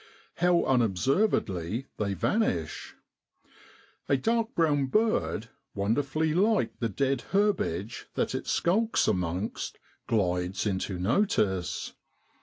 How unobservedly they vanish ! A dark brown bird, wonderfully like the dead herbage that it skulks amongst, glides into notice.